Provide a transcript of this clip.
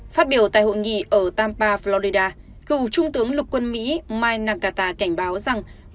phát biểu tại hội nghị ở tampa florida cựu trung tướng lục quân mỹ mike nakata cảnh báo rằng